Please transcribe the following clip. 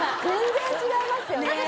全然違いますよね。